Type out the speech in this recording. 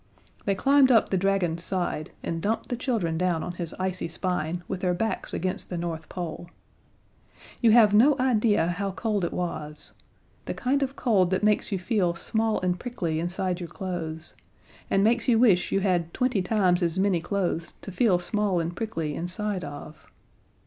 They climbed up the dragon's side and dumped the children down on his icy spine, with their backs against the North Pole. You have no idea how cold it was the kind of cold that makes you feel small and prickly inside your clothes, and makes you wish you had twenty times as many clothes to feel small and prickly inside of.